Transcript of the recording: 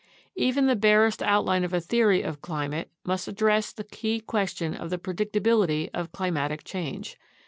Even the barest outline of a theory of climate must address the key question of the predictability of climatic change.